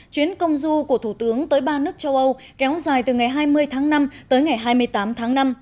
chuyến công du của thủ tướng tới ba nước châu âu kéo dài từ ngày hai mươi tháng năm tới ngày hai mươi tám tháng năm